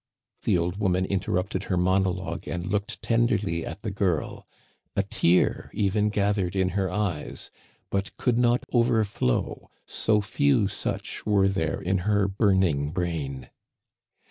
The old woman interrupted her monologue and looked tenderly at the girl. A tear even gathered in her eyes, but could not overflow, so few such were there in her burning brain.